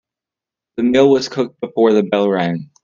The meal was cooked before the bell rang.